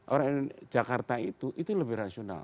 orang jakarta itu itu lebih rasional